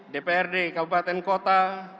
dprd kabupaten kota